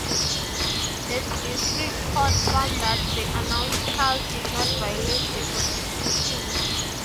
The district court found that the announce clause did not violate the Constitution.